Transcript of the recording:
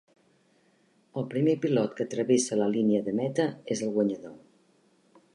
El primer pilot que travessa la línia de meta és el guanyador.